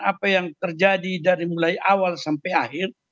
apa yang terjadi dari mulai awal sampai akhir